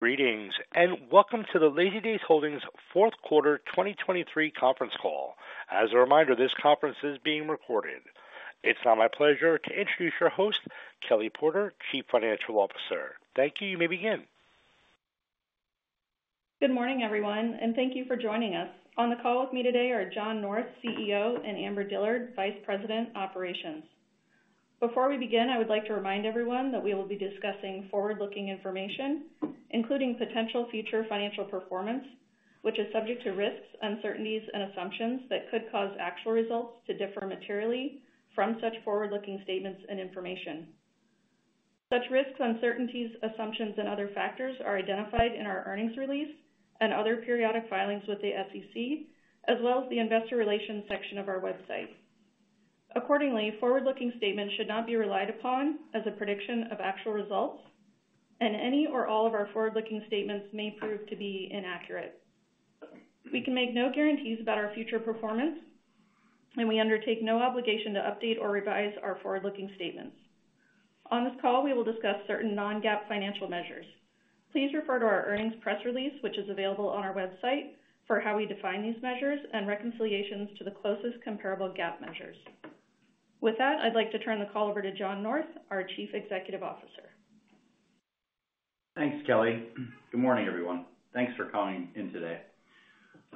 Greetings, and welcome to the Lazydays Holdings' fourth quarter 2023 conference call. As a reminder, this conference is being recorded. It's now my pleasure to introduce your host, Kelly Porter, Chief Financial Officer. Thank you, you may begin. Good morning, everyone, and thank you for joining us. On the call with me today are John North, CEO, and Amber Dillard, Vice President, Operations. Before we begin, I would like to remind everyone that we will be discussing forward-looking information, including potential future financial performance, which is subject to risks, uncertainties, and assumptions that could cause actual results to differ materially from such forward-looking statements and information. Such risks, uncertainties, assumptions, and other factors are identified in our earnings release and other periodic filings with the SEC, as well as the investor relations section of our website. Accordingly, forward-looking statements should not be relied upon as a prediction of actual results, and any or all of our forward-looking statements may prove to be inaccurate. We can make no guarantees about our future performance, and we undertake no obligation to update or revise our forward-looking statements. On this call, we will discuss certain non-GAAP financial measures. Please refer to our earnings press release, which is available on our website, for how we define these measures and reconciliations to the closest comparable GAAP measures. With that, I'd like to turn the call over to John North, our Chief Executive Officer. Thanks, Kelly. Good morning, everyone. Thanks for coming in today.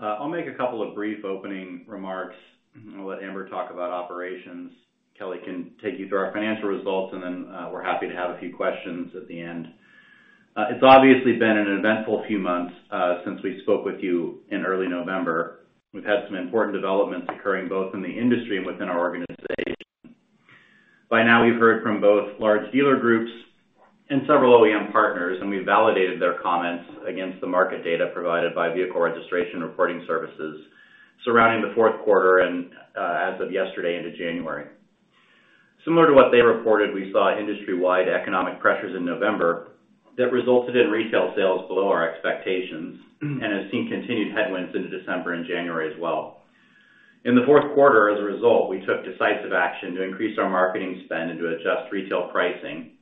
I'll make a couple of brief opening remarks. I'll let Amber talk about operations. Kelly can take you through our financial results, and then we're happy to have a few questions at the end. It's obviously been an eventful few months since we spoke with you in early November. We've had some important developments occurring both in the industry and within our organization. By now, we've heard from both large dealer groups and several OEM partners, and we've validated their comments against the market data provided by vehicle registration reporting services surrounding the fourth quarter and as of yesterday into January. Similar to what they reported, we saw industry-wide economic pressures in November that resulted in retail sales below our expectations and have seen continued headwinds into December and January as well. In the fourth quarter, as a result, we took decisive action to increase our marketing spend and to adjust retail pricing.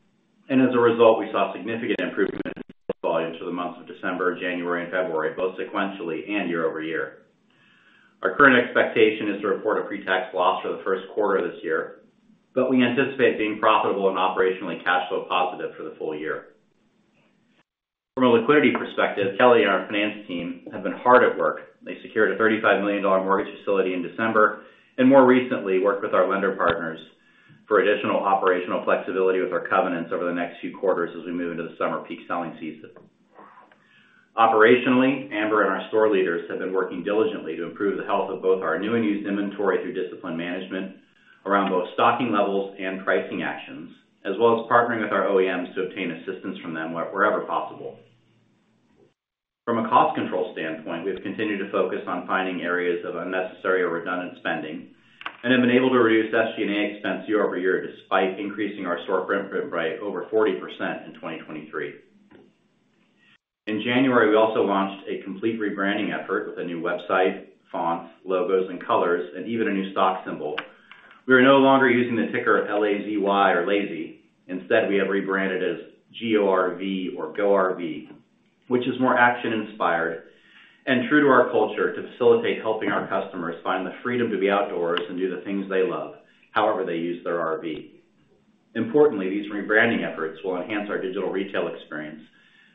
As a result, we saw significant improvement in sales volume through the months of December, January, and February, both sequentially and year-over-year. Our current expectation is to report a pretax loss for the first quarter of this year, but we anticipate being profitable and operationally cash flow positive for the full year. From a liquidity perspective, Kelly and our finance team have been hard at work. They secured a $35 million mortgage facility in December. And more recently, worked with our lender partners for additional operational flexibility with our covenants over the next few quarters as we move into the summer peak selling season. Operationally, Amber and our store leaders have been working diligently to improve the health of both our new and used inventory through disciplined management, around both stocking levels and pricing actions, as well as partnering with our OEMs to obtain assistance from them wherever possible. From a cost control standpoint, we have continued to focus on finding areas of unnecessary or redundant spending and have been able to reduce SG&A expense year-over-year despite increasing our store footprint by over 40% in 2023. In January, we also launched a complete rebranding effort with a new website, fonts, logos, and colors, and even a new stock symbol. We are no longer using the ticker L-A-Z-Y or LAZY. Instead, we have rebranded as G-O-R-V or GORV, which is more action-inspired. And true to our culture to facilitate helping our customers find the freedom to be outdoors and do the things they love, however they use their RV. Importantly, these rebranding efforts will enhance our digital retail experience.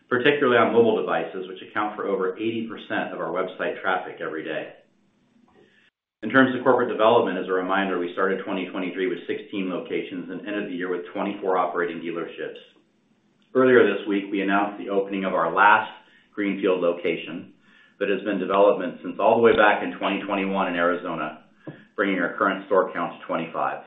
Particularly on mobile devices, which account for over 80% of our website traffic every day. In terms of corporate development, as a reminder, we started 2023 with 16 locations and ended the year with 24 operating dealerships. Earlier this week, we announced the opening of our last Greenfield location that has been in development since all the way back in 2021 in Arizona, bringing our current store count to 25.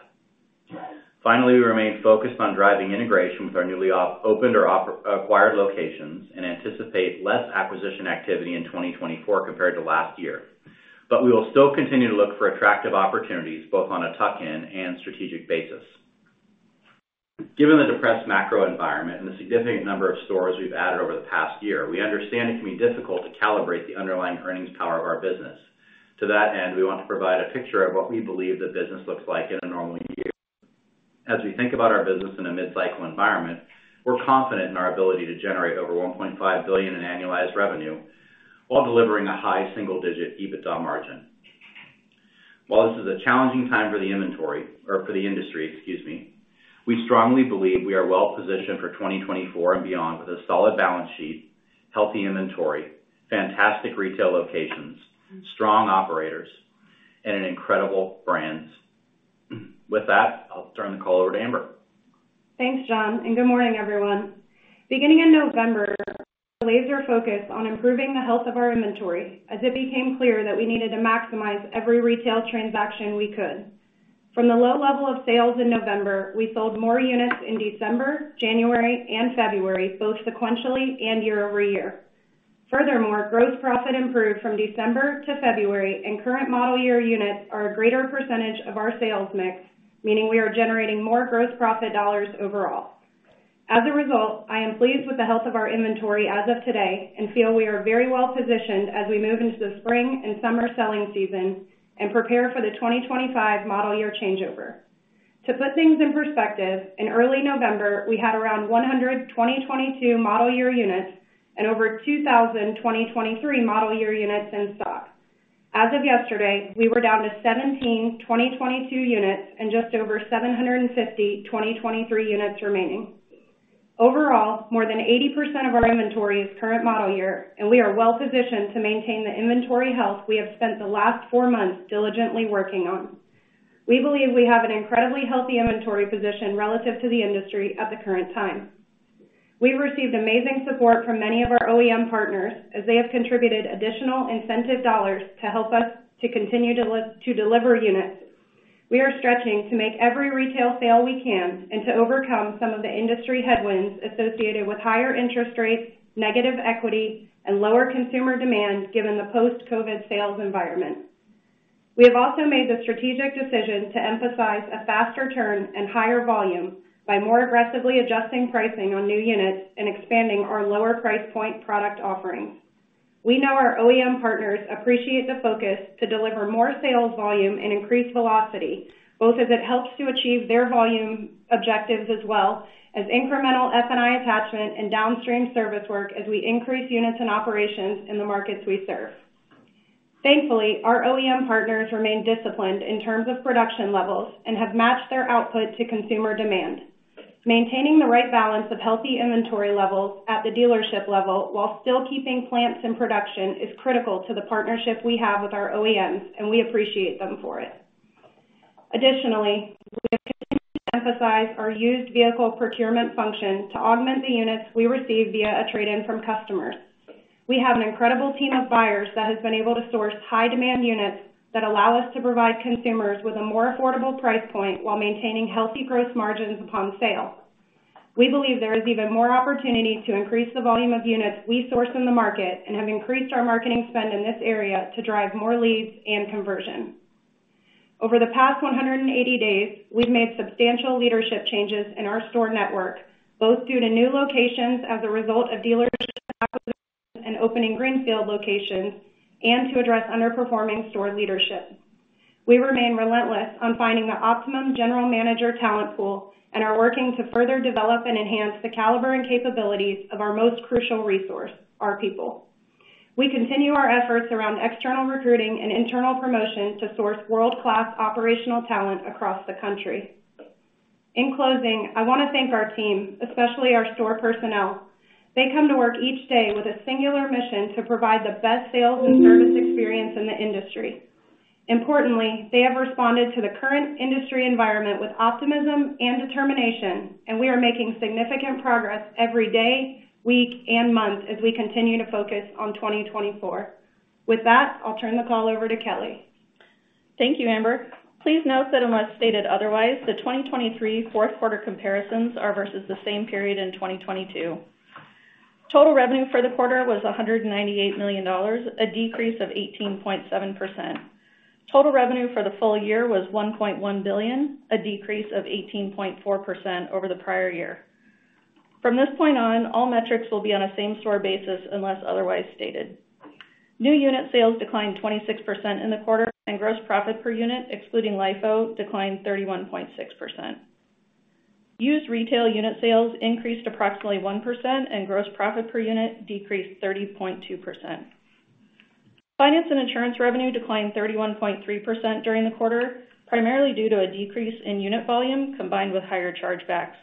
Finally, we remain focused on driving integration with our newly opened or acquired locations and anticipate less acquisition activity in 2024 compared to last year. But we will still continue to look for attractive opportunities both on a tuck-in and strategic basis. Given the depressed macro environment and the significant number of stores we've added over the past year, we understand it can be difficult to calibrate the underlying earnings power of our business. To that end, we want to provide a picture of what we believe the business looks like in a normal year. As we think about our business in a mid-cycle environment, we're confident in our ability to generate over $1.5 billion in annualized revenue while delivering a high single-digit EBITDA margin. While this is a challenging time for the inventory or for the industry, excuse me, we strongly believe we are well-positioned for 2024 and beyond with a solid balance sheet, healthy inventory, fantastic retail locations, strong operators, and an incredible brand. With that, I'll turn the call over to Amber. Thanks, John, and good morning, everyone. Beginning in November, the leaders are focused on improving the health of our inventory as it became clear that we needed to maximize every retail transaction we could. From the low level of sales in November, we sold more units in December, January, and February, both sequentially and year-over-year. Furthermore, gross profit improved from December-February, and current model year units are a greater percentage of our sales mix, meaning we are generating more gross profit dollars overall. As a result, I am pleased with the health of our inventory as of today and feel we are very well-positioned as we move into the spring and summer selling season and prepare for the 2025 model year changeover. To put things in perspective, in early November, we had around 100 2022 model year units and over 2,000 2023 model year units in stock. As of yesterday, we were down to 17 2022 units and just over 750 2023 units remaining. Overall, more than 80% of our inventory is current model year, and we are well-positioned to maintain the inventory health we have spent the last four months diligently working on. We believe we have an incredibly healthy inventory position relative to the industry at the current time. We've received amazing support from many of our OEM partners, as they have contributed additional incentive dollars to help us to continue to deliver units. We are stretching to make every retail sale we can and to overcome some of the industry headwinds associated with higher interest rates, negative equity, and lower consumer demand given the post-COVID sales environment. We have also made the strategic decision to emphasize a faster turn and higher volume by more aggressively adjusting pricing on new units and expanding our lower price point product offerings. We know our OEM partners appreciate the focus to deliver more sales volume and increased velocity, both as it helps to achieve their volume objectives as well as incremental F&I attachment and downstream service work as we increase units and operations in the markets we serve. Thankfully, our OEM partners remain disciplined in terms of production levels and have matched their output to consumer demand. Maintaining the right balance of healthy inventory levels at the dealership level while still keeping plants in production is critical to the partnership we have with our OEMs, and we appreciate them for it. Additionally, we have continued to emphasize our used vehicle procurement function to augment the units we receive via a trade-in from customers. We have an incredible team of buyers that has been able to source high-demand units that allow us to provide consumers with a more affordable price point while maintaining healthy gross margins upon sale. We believe there is even more opportunity to increase the volume of units we source in the market and have increased our marketing spend in this area to drive more leads and conversion. Over the past 180 days, we've made substantial leadership changes in our store network, both due to new locations as a result of dealership acquisitions and opening Greenfield locations and to address underperforming store leadership. We remain relentless on finding the optimum general manager talent pool and are working to further develop and enhance the caliber and capabilities of our most crucial resource, our people. We continue our efforts around external recruiting and internal promotion to source world-class operational talent across the country. In closing, I want to thank our team, especially our store personnel. They come to work each day with a singular mission to provide the best sales and service experience in the industry. Importantly, they have responded to the current industry environment with optimism and determination, and we are making significant progress every day, week, and month as we continue to focus on 2024. With that, I'll turn the call over to Kelly. Thank you, Amber. Please note that unless stated otherwise, the 2023 fourth quarter comparisons are versus the same period in 2022. Total revenue for the quarter was $198 million, a decrease of 18.7%. Total revenue for the full year was $1.1 billion, a decrease of 18.4% over the prior year. From this point on, all metrics will be on a same-store basis unless otherwise stated. New unit sales declined 26% in the quarter, and gross profit per unit, excluding LIFO, declined 31.6%. Used retail unit sales increased approximately 1%, and gross profit per unit decreased 30.2%. Finance and Insurance revenue declined 31.3% during the quarter, primarily due to a decrease in unit volume combined with higher chargebacks.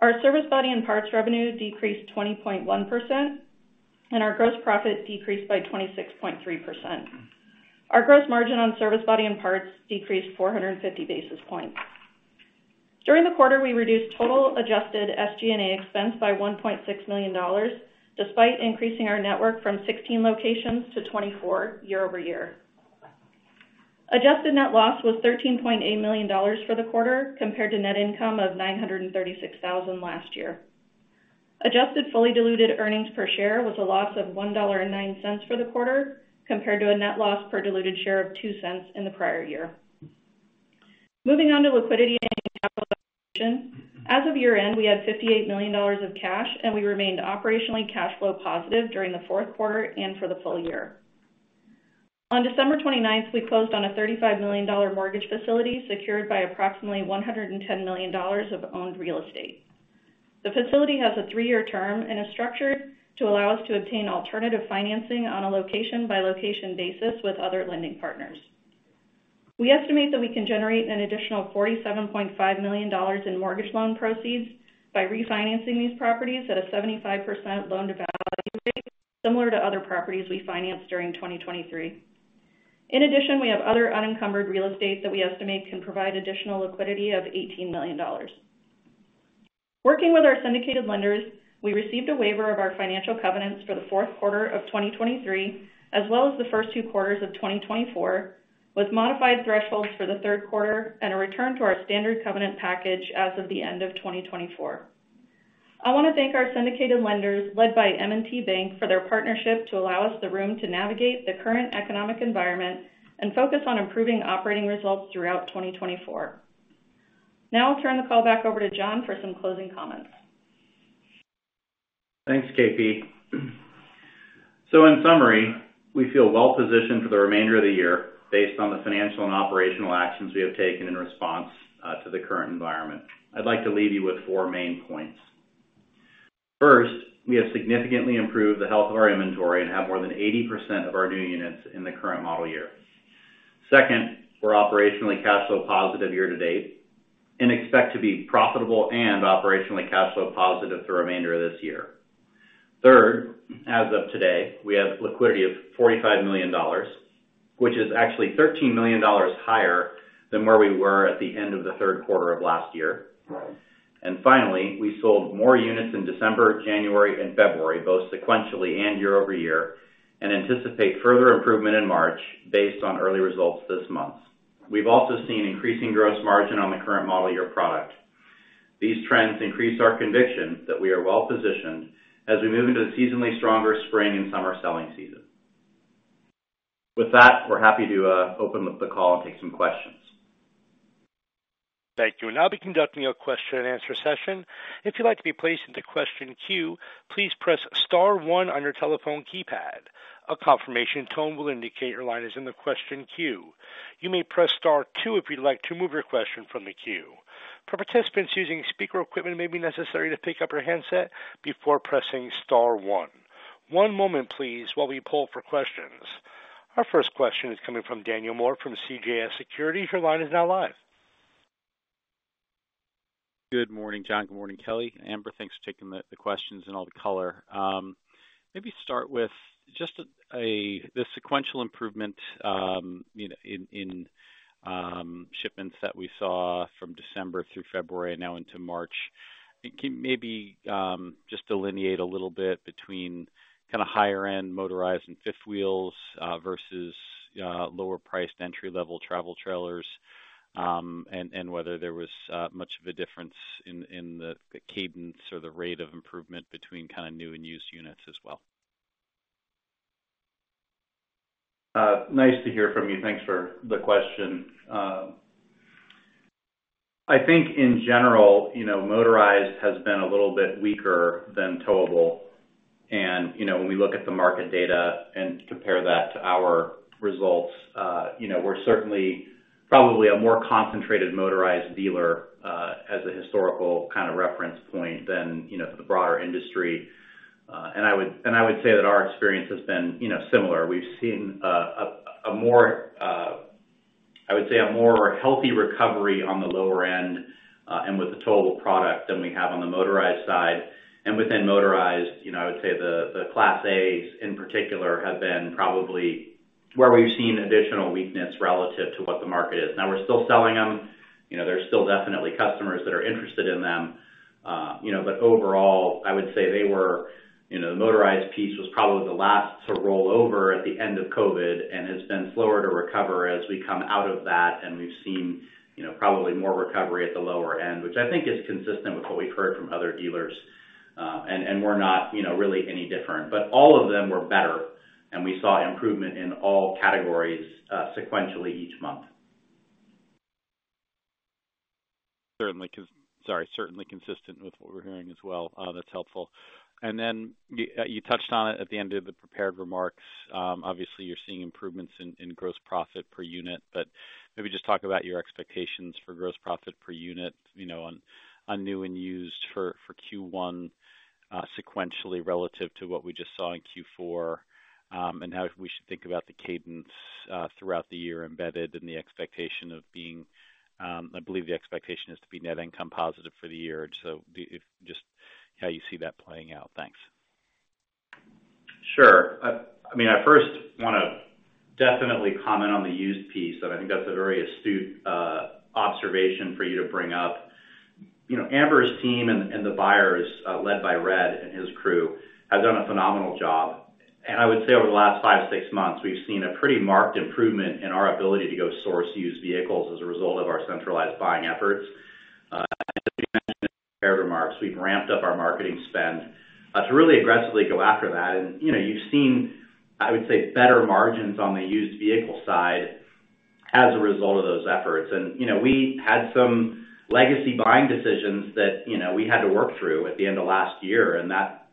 Our Service, Body and Parts revenue decreased 20.1%, and our gross profit decreased by 26.3%. Our gross margin on Service, Body and Parts decreased 450 basis points. During the quarter, we reduced total adjusted SG&A expense by $1.6 million despite increasing our network from 16 locations to 24 locations year-over-year. Adjusted net loss was $13.8 million for the quarter, compared to net income of $936,000 last year. Adjusted fully-diluted earnings per share was a loss of $1.09 for the quarter, compared to a net loss per diluted share of $0.02 in the prior year. Moving on to liquidity and capital valuation. As of year-end, we had $58 million of cash, and we remained operationally cash flow positive during the fourth quarter and for the full year. On December 29th, we closed on a $35 million mortgage facility secured by approximately $110 million of owned real estate. The facility has a three-year term and is structured to allow us to obtain alternative financing on a location-by-location basis with other lending partners. We estimate that we can generate an additional $47.5 million in mortgage loan proceeds by refinancing these properties at a 75% loan-to-value rate, similar to other properties we financed during 2023. In addition, we have other unencumbered real estate that we estimate can provide additional liquidity of $18 million. Working with our syndicated lenders, we received a waiver of our financial covenants for the fourth quarter of 2023 as well as the first two quarters of 2024, with modified thresholds for the third quarter and a return to our standard covenant package as of the end of 2024. I want to thank our syndicated lenders, led by M&T Bank, for their partnership to allow us the room to navigate the current economic environment and focus on improving operating results throughout 2024. Now I'll turn the call back over to John for some closing comments. Thanks, KP. So in summary, we feel well-positioned for the remainder of the year based on the financial and operational actions we have taken in response to the current environment. I'd like to leave you with four main points. First, we have significantly improved the health of our inventory and have more than 80% of our new units in the current model year. Second, we're operationally cash flow positive year-to-date and expect to be profitable and operationally cash flow positive the remainder of this year. Third, as of today, we have liquidity of $45 million, which is actually $13 million higher than where we were at the end of the third quarter of last year. And finally, we sold more units in December, January, and February, both sequentially and year-over-year, and anticipate further improvement in March based on early results this month. We've also seen increasing gross margin on the current model year product. These trends increase our conviction that we are well-positioned as we move into the seasonally stronger spring and summer selling season. With that, we're happy to open the call and take some questions. Thank you. Now I'll be conducting a question-and-answer session. If you'd like to be placed into question queue, please press star one on your telephone keypad. A confirmation tone will indicate your line is in the question queue. You may press star two if you'd like to move your question from the queue. For participants using speaker equipment, it may be necessary to pick up your handset before pressing star one. One moment, please, while we pull for questions. Our first question is coming from Daniel Moore from CJS Securities. Your line is now live. Good morning, John. Good morning, Kelly. Amber, thanks for taking the questions in all the color. Maybe start with just the sequential improvement in shipments that we saw from December through February and now into March. Can you maybe just delineate a little bit between kind of higher-end motorized and fifth wheels versus lower-priced entry-level travel trailers and whether there was much of a difference in the cadence or the rate of improvement between kind of new and used units as well? Nice to hear from you. Thanks for the question. I think, in general, motorized has been a little bit weaker than towable. When we look at the market data and compare that to our results, we're certainly probably a more concentrated motorized dealer as a historical kind of reference point than the broader industry. I would say that our experience has been similar. We've seen a more, I would say, a more healthy recovery on the lower end and with the towable product than we have on the motorized side. Within motorized, I would say the Class As, in particular, have been probably where we've seen additional weakness relative to what the market is. Now, we're still selling them. There's still definitely customers that are interested in them. But overall, I would say they were the motorized piece was probably the last to roll over at the end of COVID and has been slower to recover as we come out of that. And we've seen probably more recovery at the lower end, which I think is consistent with what we've heard from other dealers. And we're not really any different. But all of them were better, and we saw improvement in all categories sequentially each month. Certainly consistent with what we're hearing as well. That's helpful. Then you touched on it at the end of the prepared remarks. Obviously, you're seeing improvements in gross profit per unit. Maybe just talk about your expectations for gross profit per unit on new and used for Q1 sequentially relative to what we just saw in Q4, and how we should think about the cadence throughout the year embedded in the expectation of being, I believe, the expectation is to be net income positive for the year. Just how you see that playing out. Thanks. Sure. I mean, I first want to definitely comment on the used piece, and I think that's a very astute observation for you to bring up. Amber's team and the buyers led by Red and his crew have done a phenomenal job. And I would say over the last five-six months, we've seen a pretty marked improvement in our ability to go source used vehicles as a result of our centralized buying efforts. As you mentioned in the prepared remarks, we've ramped up our marketing spend to really aggressively go after that. And you've seen, I would say, better margins on the used vehicle side as a result of those efforts. We had some legacy buying decisions that we had to work through at the end of last year, and that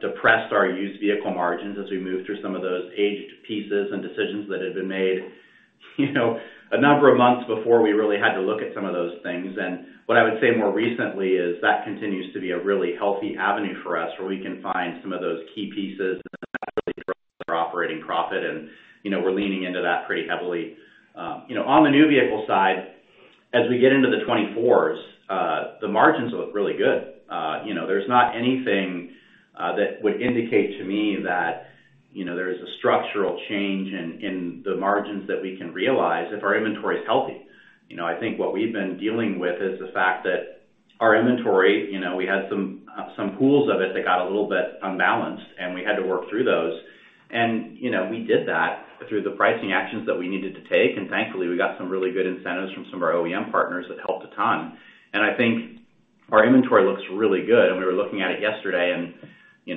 depressed our used vehicle margins as we moved through some of those aged pieces and decisions that had been made a number of months before we really had to look at some of those things. What I would say more recently is that continues to be a really healthy avenue for us where we can find some of those key pieces that actually drive our operating profit. We're leaning into that pretty heavily. On the new vehicle side, as we get into the 2024s, the margins look really good. There's not anything that would indicate to me that there's a structural change in the margins that we can realize if our inventory is healthy. I think what we've been dealing with is the fact that our inventory, we had some pools of it that got a little bit unbalanced, and we had to work through those. We did that through the pricing actions that we needed to take. Thankfully, we got some really good incentives from some of our OEM partners that helped a ton. I think our inventory looks really good. We were looking at it yesterday and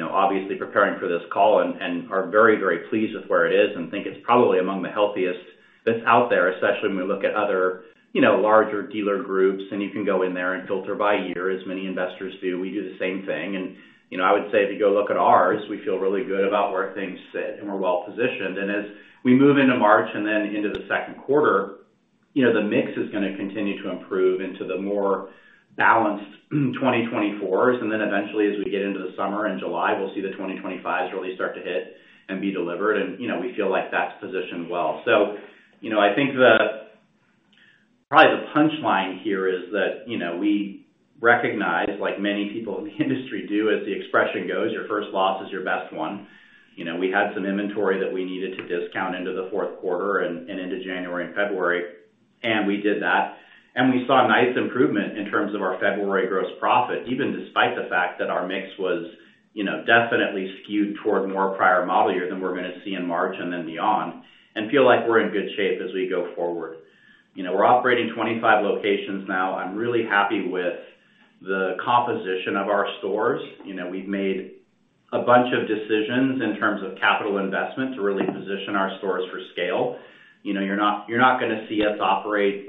obviously preparing for this call and are very, very pleased with where it is and think it's probably among the healthiest that's out there, especially when we look at other larger dealer groups. You can go in there and filter by year as many investors do. We do the same thing. I would say if you go look at ours, we feel really good about where things sit and we're well-positioned. As we move into March and then into the second quarter, the mix is going to continue to improve into the more balanced 2024. Then eventually, as we get into the summer and July, we'll see the 2025 really start to hit and be delivered. We feel like that's positioned well. So I think probably the punchline here is that we recognize, like many people in the industry do, as the expression goes, "Your first loss is your best one." We had some inventory that we needed to discount into the fourth quarter and into January and February, and we did that. We saw nice improvement in terms of our February gross profit, even despite the fact that our mix was definitely skewed toward more prior model year than we're going to see in March and then beyond and feel like we're in good shape as we go forward. We're operating 25 locations now. I'm really happy with the composition of our stores. We've made a bunch of decisions in terms of capital investment to really position our stores for scale. You're not going to see us operate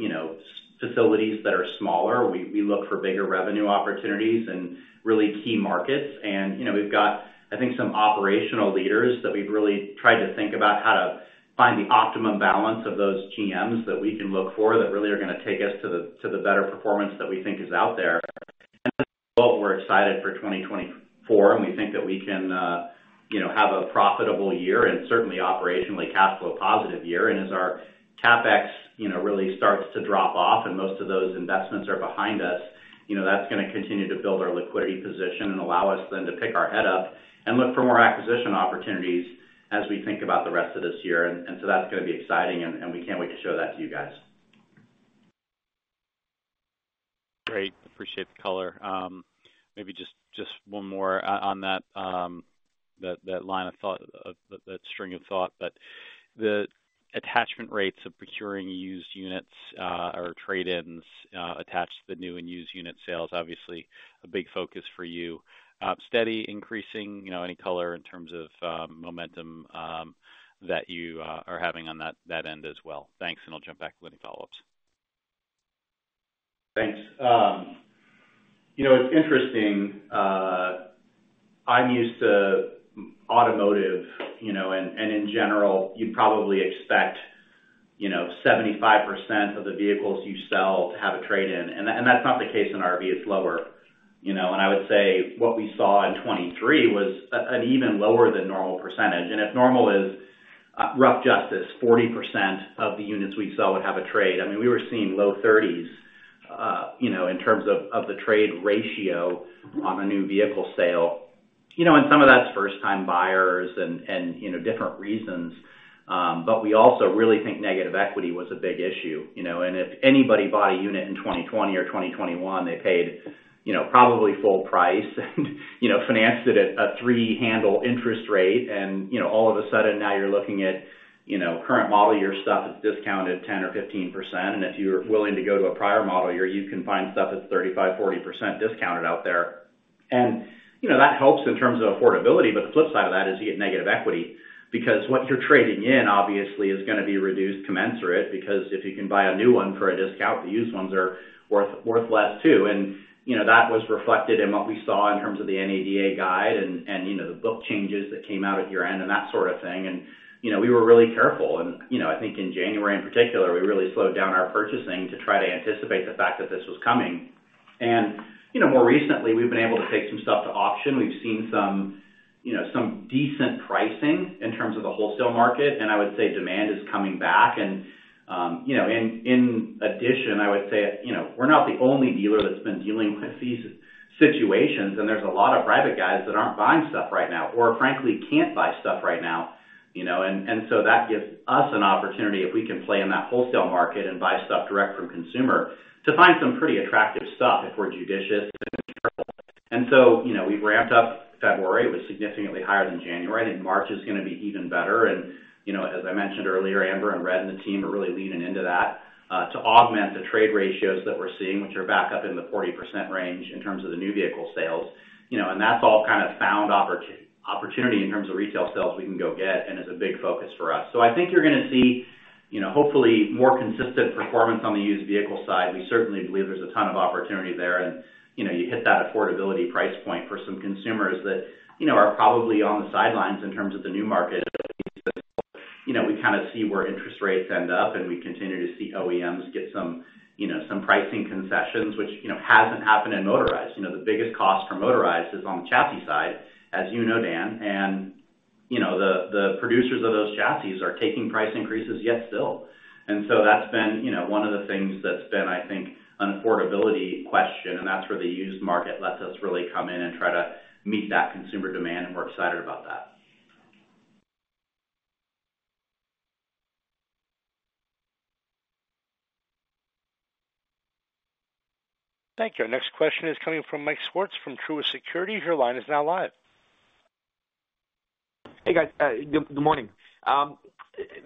facilities that are smaller. We look for bigger revenue opportunities and really key markets. We've got, I think, some operational leaders that we've really tried to think about how to find the optimum balance of those GMs that we can look for that really are going to take us to the better performance that we think is out there. As a result, we're excited for 2024, and we think that we can have a profitable year and certainly operationally cash flow positive year. As our CapEx really starts to drop off and most of those investments are behind us, that's going to continue to build our liquidity position and allow us then to pick our head up and look for more acquisition opportunities as we think about the rest of this year. So that's going to be exciting, and we can't wait to show that to you guys. Great. Appreciate the color. Maybe just one more on that line of thought, that string of thought. But the attachment rates of procuring used units or trade-ins attached to the new and used unit sales, obviously, a big focus for you. Steady increasing, any color in terms of momentum that you are having on that end as well. Thanks, and I'll jump back with any follow-ups. Thanks. It's interesting. I'm used to automotive, and in general, you'd probably expect 75% of the vehicles you sell to have a trade-in. And that's not the case in RV. It's lower. And I would say what we saw in 2023 was an even lower than normal percentage. And if normal is, rough justice, 40% of the units we sell would have a trade. I mean, we were seeing low 30s in terms of the trade ratio on a new vehicle sale. And some of that's first-time buyers and different reasons. But we also really think negative equity was a big issue. And if anybody bought a unit in 2020 or 2021, they paid probably full price and financed it at a three-handle interest rate. And all of a sudden, now you're looking at current model year stuff, it's discounted 10% or 15%. And if you're willing to go to a prior model year, you can find stuff that's 35%-40% discounted out there. And that helps in terms of affordability. But the flip side of that is you get negative equity because what you're trading in, obviously, is going to be reduced commensurate because if you can buy a new one for a discount, the used ones are worth less too. And that was reflected in what we saw in terms of the NADA Guide and the book changes that came out at year-end and that sort of thing. And we were really careful. And I think in January, in particular, we really slowed down our purchasing to try to anticipate the fact that this was coming. And more recently, we've been able to take some stuff to auction. We've seen some decent pricing in terms of the wholesale market. I would say demand is coming back. And in addition, I would say we're not the only dealer that's been dealing with these situations. And there's a lot of private guys that aren't buying stuff right now or, frankly, can't buy stuff right now. And so that gives us an opportunity if we can play in that wholesale market and buy stuff direct from consumer to find some pretty attractive stuff if we're judicious and careful. And so we've ramped up. February was significantly higher than January. I think March is going to be even better. And as I mentioned earlier, Amber and Red and the team are really leaning into that to augment the trade ratios that we're seeing, which are back up in the 40% range in terms of the new vehicle sales. That's all kind of found opportunity in terms of retail sales we can go get and is a big focus for us. So I think you're going to see, hopefully, more consistent performance on the used vehicle side. We certainly believe there's a ton of opportunity there. You hit that affordability price point for some consumers that are probably on the sidelines in terms of the new market. We kind of see where interest rates end up, and we continue to see OEMs get some pricing concessions, which hasn't happened in motorized. The biggest cost for motorized is on the chassis side, as you know, Dan. The producers of those chassis are taking price increases yet still. So that's been one of the things that's been, I think, an affordability question. That's where the used market lets us really come in and try to meet that consumer demand, and we're excited about that. Thank you. Our next question is coming from Mike Swartz from Truist Securities. Your line is now live. Hey, guys. Good morning.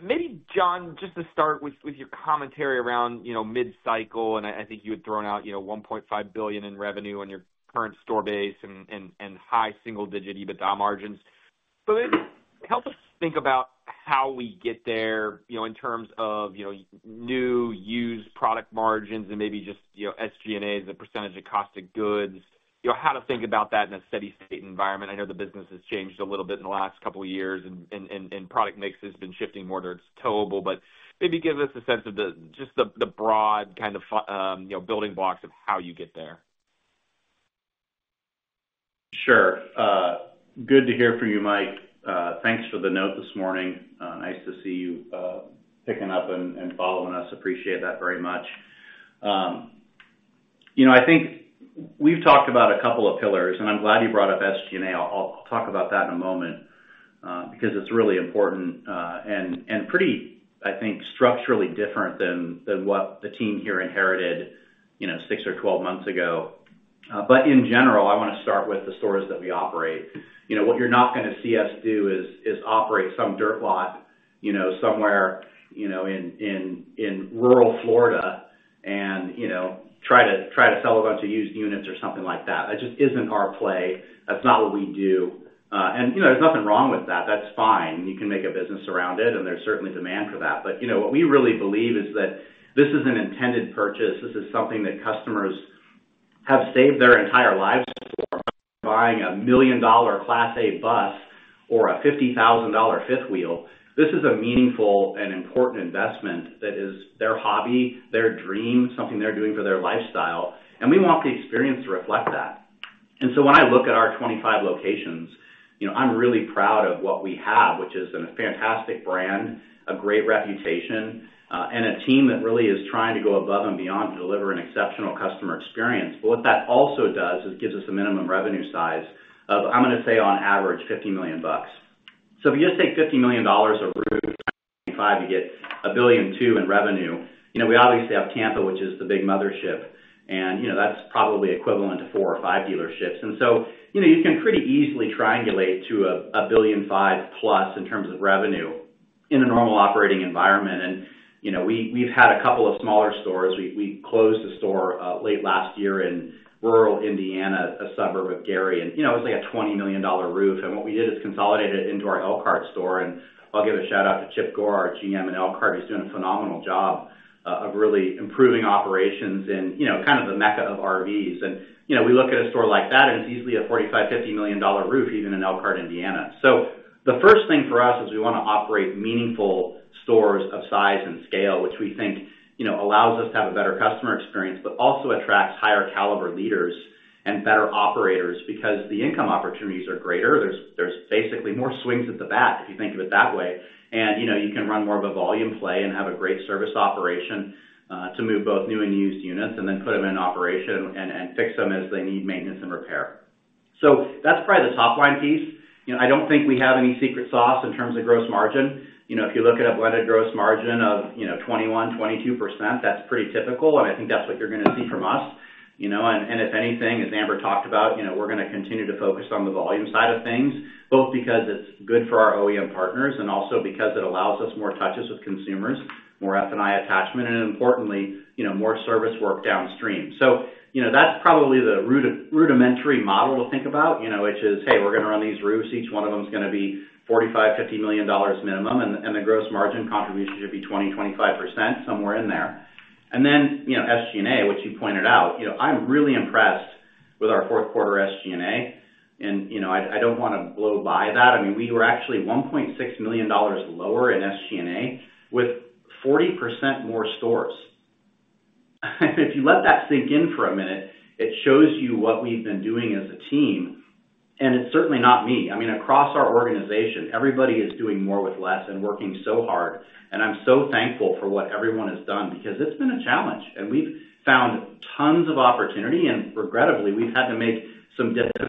Maybe, John, just to start with your commentary around mid-cycle, and I think you had thrown out $1.5 billion in revenue on your current store base and high single-digit EBITDA margins. But maybe help us think about how we get there in terms of new, used product margins and maybe just SG&As, the percentage of cost of goods. How to think about that in a steady state environment? I know the business has changed a little bit in the last couple of years, and product mix has been shifting more towable. But maybe give us a sense of just the broad kind of building blocks of how you get there. Sure. Good to hear from you, Mike. Thanks for the note this morning. Nice to see you picking up and following us. Appreciate that very much. I think we've talked about a couple of pillars, and I'm glad you brought up SG&A. I'll talk about that in a moment because it's really important and pretty, I think, structurally different than what the team here inherited six or 12 months ago. But in general, I want to start with the stores that we operate. What you're not going to see us do is operate some dirt lot somewhere in rural Florida and try to sell a bunch of used units or something like that. That just isn't our play. That's not what we do. And there's nothing wrong with that. That's fine. You can make a business around it, and there's certainly demand for that. But what we really believe is that this is an intended purchase. This is something that customers have saved their entire lives for. Buying a million-dollar Class A bus or a $50,000 fifth wheel, this is a meaningful and important investment that is their hobby, their dream, something they're doing for their lifestyle. And we want the experience to reflect that. And so when I look at our 25 locations, I'm really proud of what we have, which is a fantastic brand, a great reputation, and a team that really is trying to go above and beyond to deliver an exceptional customer experience. But what that also does is gives us a minimum revenue size of, I'm going to say on average, $50 million. So if you just take $50 million run rate to 2025, you get $1.2 billion in revenue. We obviously have Tampa, which is the big mothership, and that's probably equivalent to four or five dealerships. So you can pretty easily triangulate to $1.5 billion+ in terms of revenue in a normal operating environment. We've had a couple of smaller stores. We closed the store late last year in rural Indiana, a suburb of Gary. It was like a $20 million roof. What we did is consolidate it into our Elkhart store. I'll give a shout-out to Chip Gore, our GM in Elkhart. He's doing a phenomenal job of really improving operations in kind of the mecca of RVs. We look at a store like that, and it's easily a $45 million-$50 million roof even in Elkhart, Indiana. The first thing for us is we want to operate meaningful stores of size and scale, which we think allows us to have a better customer experience but also attracts higher-caliber leaders and better operators because the income opportunities are greater. There's basically more swings at the bat, if you think of it that way. You can run more of a volume play and have a great service operation to move both new and used units and then put them in operation and fix them as they need maintenance and repair. That's probably the top-line piece. I don't think we have any secret sauce in terms of gross margin. If you look at a blended gross margin of 21%-22%, that's pretty typical. I think that's what you're going to see from us. And if anything, as Amber talked about, we're going to continue to focus on the volume side of things. Both because it's good for our OEM partners and also because it allows us more touches with consumers, more F&I attachment, and importantly, more service work downstream. So that's probably the rudimentary model to think about, which is, "Hey, we're going to run these roofs. Each one of them's going to be $45 million-$50 million minimum. And the gross margin contribution should be 20%-25%, somewhere in there." And then SG&A, which you pointed out, I'm really impressed with our fourth-quarter SG&A. And I don't want to blow by that. I mean, we were actually $1.6 million lower in SG&A with 40% more stores. And if you let that sink in for a minute, it shows you what we've been doing as a team. And it's certainly not me. I mean, across our organization, everybody is doing more with less and working so hard. And I'm so thankful for what everyone has done because it's been a challenge. And we've found tons of opportunity. And regrettably, we've had to make some difficult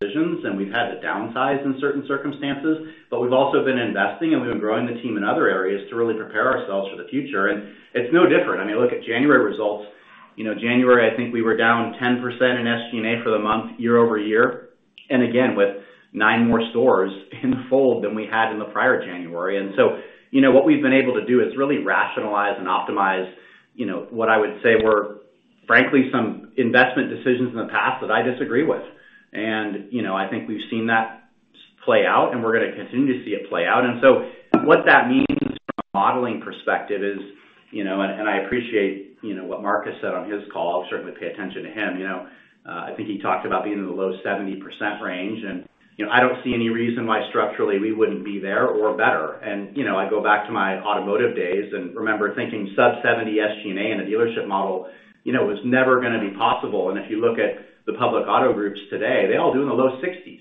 decisions, and we've had to downsize in certain circumstances. But we've also been investing, and we've been growing the team in other areas to really prepare ourselves for the future. And it's no different. I mean, look at January results. January, I think we were down 10% in SG&A for the month, year-over-year, and again, with nine more stores in the fold than we had in the prior January. And so what we've been able to do is really rationalize and optimize what I would say were, frankly, some investment decisions in the past that I disagree with. And I think we've seen that play out, and we're going to continue to see it play out. And so what that means from a modeling perspective is and I appreciate what Mark has said on his call. I'll certainly pay attention to him. I think he talked about being in the low 70% range. And I don't see any reason why, structurally, we wouldn't be there or better. And I go back to my automotive days and remember thinking sub-70% SG&A in a dealership model was never going to be possible. And if you look at the public auto groups today, they all do in the low 60s.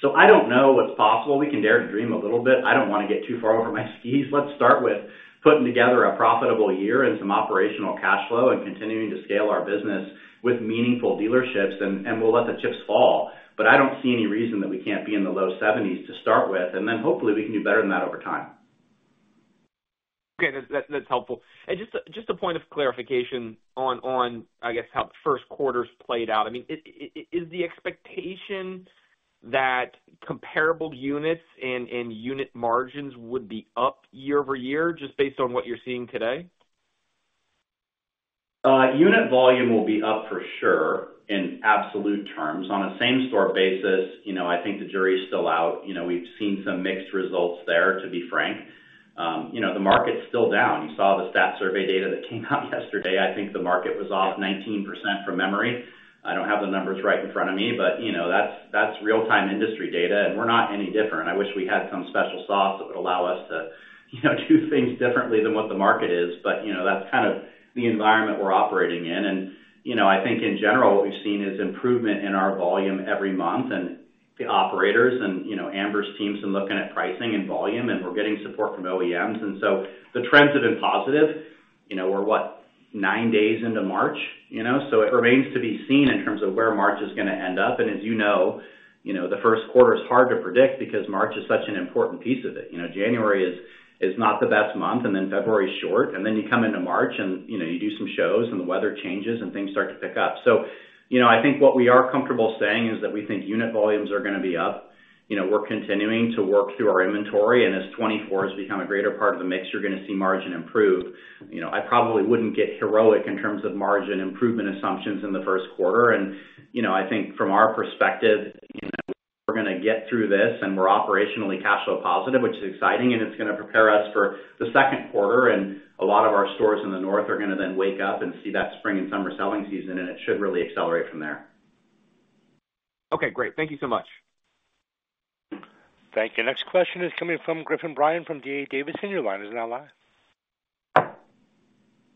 So I don't know what's possible. We can dare to dream a little bit. I don't want to get too far over my skis. Let's start with putting together a profitable year and some operational cash flow and continuing to scale our business with meaningful dealerships. We'll let the chips fall. But I don't see any reason that we can't be in the low 70s to start with. And then hopefully, we can do better than that over time. Okay. That's helpful. Just a point of clarification on, I guess, how the first quarters played out. I mean, is the expectation that comparable units and unit margins would be up year-over-year just based on what you're seeing today? Unit volume will be up for sure in absolute terms. On a same-store basis, I think the jury's still out. We've seen some mixed results there, to be frank. The market's still down. You saw the stats survey data that came out yesterday. I think the market was off 19% from memory. I don't have the numbers right in front of me, but that's real-time industry data. We're not any different. I wish we had some special sauce that would allow us to do things differently than what the market is. That's kind of the environment we're operating in. I think, in general, what we've seen is improvement in our volume every month and the operators and Amber's teams and looking at pricing and volume. We're getting support from OEMs. So the trends have been positive. We're, what, nine days into March? It remains to be seen in terms of where March is going to end up. As you know, the first quarter is hard to predict because March is such an important piece of it. January is not the best month. February's short. You come into March, and you do some shows, and the weather changes, and things start to pick up. I think what we are comfortable saying is that we think unit volumes are going to be up. We're continuing to work through our inventory. As 2024 has become a greater part of the mix, you're going to see margin improve. I probably wouldn't get heroic in terms of margin improvement assumptions in the first quarter. I think from our perspective, we're going to get through this, and we're operationally cash flow positive, which is exciting. It's going to prepare us for the second quarter. A lot of our stores in the north are going to then wake up and see that spring and summer selling season. It should really accelerate from there. Okay. Great. Thank you so much. Thank you. Next question is coming from Griffin Bryan from D.A. Davidson. Your line is now live.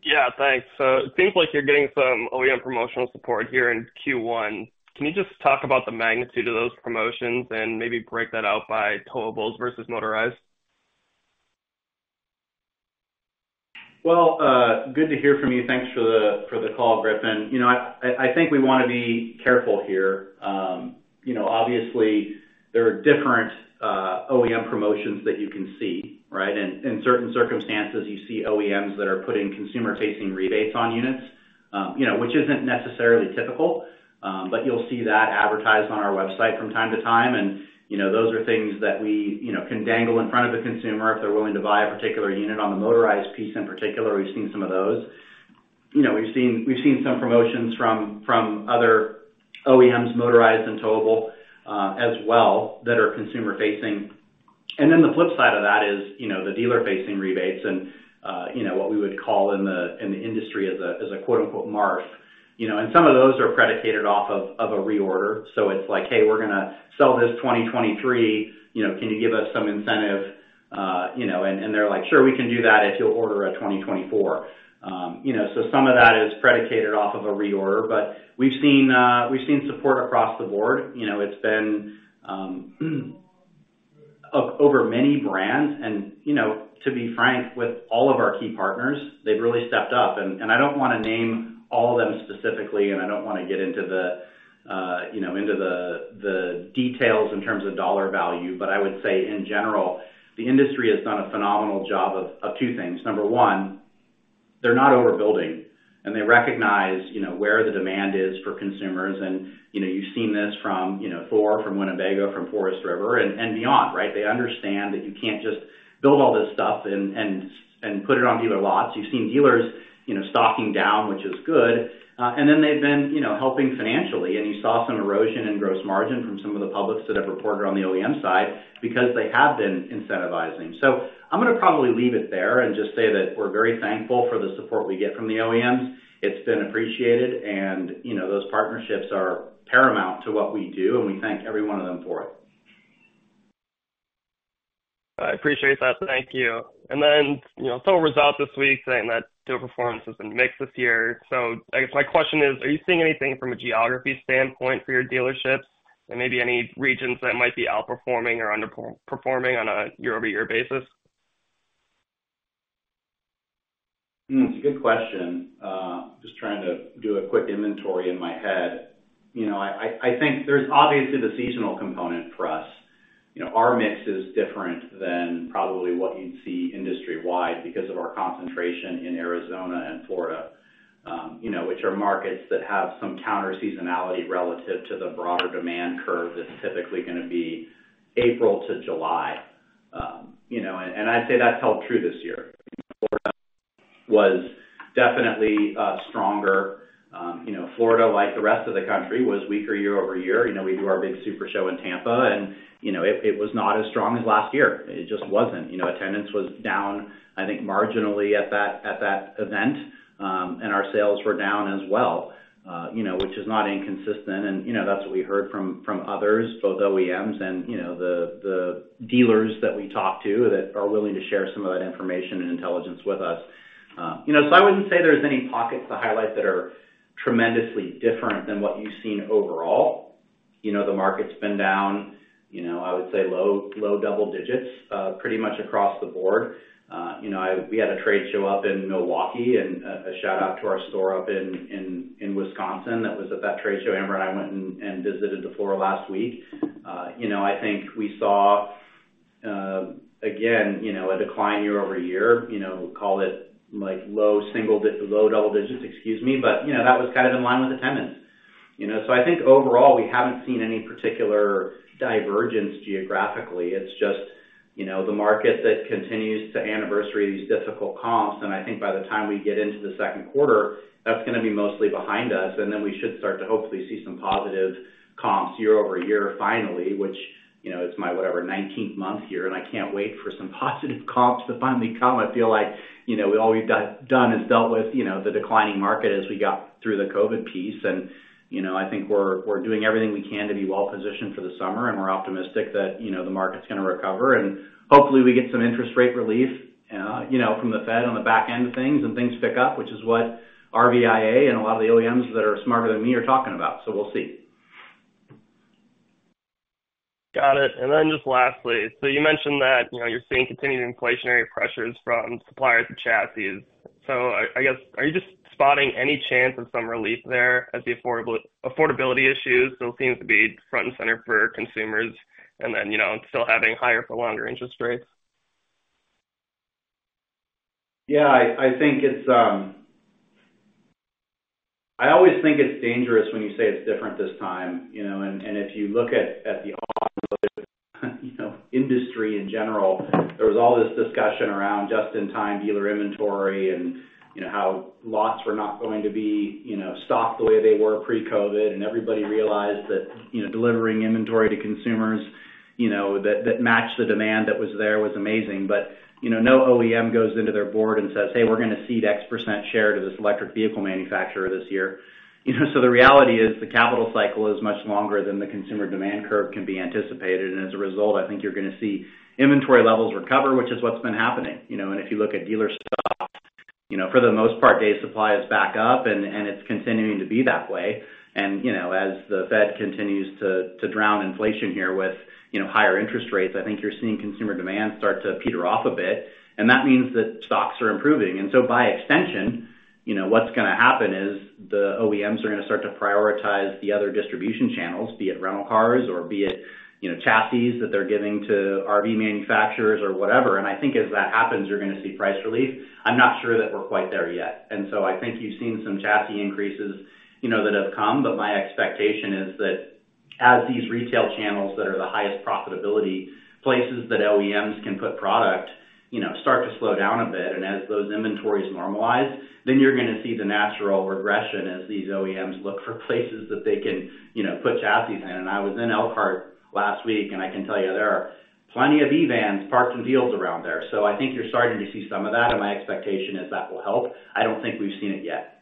Yeah. Thanks. It seems like you're getting some OEM promotional support here in Q1. Can you just talk about the magnitude of those promotions and maybe break that out by towables versus motorized? Well, good to hear from you. Thanks for the call, Griffin. I think we want to be careful here. Obviously, there are different OEM promotions that you can see, right? In certain circumstances, you see OEMs that are putting consumer-facing rebates on units, which isn't necessarily typical. But you'll see that advertised on our website from time to time. And those are things that we can dangle in front of the consumer if they're willing to buy a particular unit. On the motorized piece in particular, we've seen some of those. We've seen some promotions from other OEMs, motorized and towable as well, that are consumer-facing. And then the flip side of that is the dealer-facing rebates and what we would call in the industry as a "MARF." And some of those are predicated off of a reorder. So it's like, "Hey, we're going to sell this 2023. Can you give us some incentive?" And they're like, "Sure. We can do that if you'll order a 2024." So some of that is predicated off of a reorder. But we've seen support across the board. It's been over many brands. And to be frank, with all of our key partners, they've really stepped up. And I don't want to name all of them specifically, and I don't want to get into the details in terms of dollar value. But I would say, in general, the industry has done a phenomenal job of two things. Number one, they're not overbuilding. And they recognize where the demand is for consumers. And you've seen this from Thor, from Winnebago, from Forest River, and beyond, right? They understand that you can't just build all this stuff and put it on dealer lots. You've seen dealers stocking down, which is good. And then they've been helping financially. And you saw some erosion in gross margin from some of the publics that have reported on the OEM side because they have been incentivizing. So I'm going to probably leave it there and just say that we're very thankful for the support we get from the OEMs. It's been appreciated. And those partnerships are paramount to what we do, and we thank every one of them for it. I appreciate that. Thank you. And then Thor results this week saying that dealer performance has been mixed this year. So I guess my question is, are you seeing anything from a geography standpoint for your dealerships and maybe any regions that might be outperforming or underperforming on a year-over-year basis? That's a good question. Just trying to do a quick inventory in my head. I think there's obviously the seasonal component for us. Our mix is different than probably what you'd see industry-wide because of our concentration in Arizona and Florida, which are markets that have some counter-seasonality relative to the broader demand curve that's typically going to be April-July. And I'd say that's held true this year. Florida was definitely stronger. Florida, like the rest of the country, was weaker year-over-year. We do our big SuperShow in Tampa, and it was not as strong as last year. It just wasn't. Attendance was down, I think, marginally at that event. And our sales were down as well, which is not inconsistent. That's what we heard from others, both OEMs and the dealers that we talk to that are willing to share some of that information and intelligence with us. I wouldn't say there's any pockets to highlight that are tremendously different than what you've seen overall. The market's been down, I would say, low double-digits pretty much across the board. We had a trade show up in Milwaukee, and a shout-out to our store up in Wisconsin that was at that trade show. Amber and I went and visited the floor last week. I think we saw, again, a decline year-over-year. Call it low double digits, excuse me. That was kind of in line with attendance. I think overall, we haven't seen any particular divergence geographically. It's just the market that continues to anniversary these difficult comps. And I think by the time we get into the second quarter, that's going to be mostly behind us. And then we should start to hopefully see some positive comps year-over-year, finally, which it's my, whatever, 19th month here. And I can't wait for some positive comps to finally come. I feel like all we've done is dealt with the declining market as we got through the COVID piece. And I think we're doing everything we can to be well-positioned for the summer. And we're optimistic that the market's going to recover. And hopefully, we get some interest rate relief from the Fed on the back end of things, and things pick up, which is what RVIA and a lot of the OEMs that are smarter than me are talking about. So we'll see. Got it. And then just lastly, so you mentioned that you're seeing continued inflationary pressures from suppliers of chassis. So I guess, are you just spotting any chance of some relief there as the affordability issues still seem to be front and center for consumers and then still having higher-for-longer interest rates? Yeah. I always think it's dangerous when you say it's different this time. And if you look at the automotive industry in general, there was all this discussion around just-in-time dealer inventory and how lots were not going to be stocked the way they were pre-COVID. And everybody realized that delivering inventory to consumers that matched the demand that was there was amazing. But no OEM goes into their Board and says, "Hey, we're going to see X% share to this electric vehicle manufacturer this year." So the reality is the capital cycle is much longer than the consumer demand curve can be anticipated. And as a result, I think you're going to see inventory levels recover, which is what's been happening. And if you look at dealer stock, for the most part, day supply is back up, and it's continuing to be that way. As the Fed continues to drown inflation here with higher interest rates, I think you're seeing consumer demand start to peter off a bit. That means that stocks are improving. So by extension, what's going to happen is the OEMs are going to start to prioritize the other distribution channels, be it rental cars or be it chassis that they're giving to RV manufacturers or whatever. I think as that happens, you're going to see price relief. I'm not sure that we're quite there yet. So I think you've seen some chassis increases that have come. But my expectation is that as these retail channels that are the highest profitability places that OEMs can put product start to slow down a bit. And as those inventories normalize, then you're going to see the natural regression as these OEMs look for places that they can put chassis in. And I was in Elkhart last week, and I can tell you there are plenty of vans parked in fields around there. So I think you're starting to see some of that. And my expectation is that will help. I don't think we've seen it yet.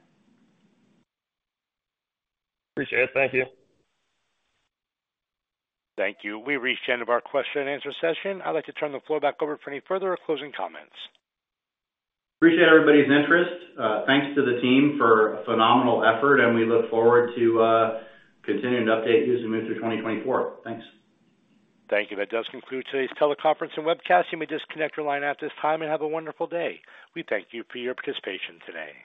Appreciate it. Thank you. Thank you. We've reached the end of our question-and-answer session. I'd like to turn the floor back over for any further or closing comments. Appreciate everybody's interest. Thanks to the team for a phenomenal effort. We look forward to continuing to update you as we move through 2024. Thanks. Thank you. That does conclude today's teleconference and webcast. You may disconnect your line at this time and have a wonderful day. We thank you for your participation today.